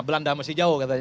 belanda masih jauh katanya